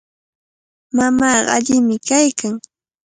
Mamaaqa allimi kaykan.